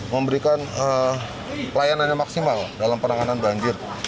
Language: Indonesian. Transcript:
memberikan layanannya maksimal dalam penanganan banjir